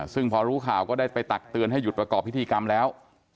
ซึ่งพอรู้ข่าวก็ได้ไปตักเตือนให้หยุดประกอบพิธีกรรมแล้ว